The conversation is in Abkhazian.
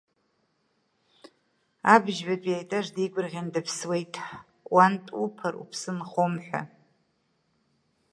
Абыжьбатәи аетаж деигәырӷьаны дыԥсуеит, уантә уԥар уԥсы нхом ҳәа.